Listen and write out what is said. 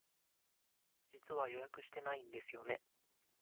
実は予約してないんですよね。